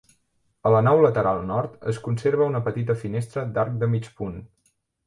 A la nau lateral nord es conserva una petita finestra d'arc de mig punt.